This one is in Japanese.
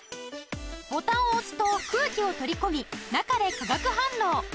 ボタンを押すと空気を取り込み中で化学反応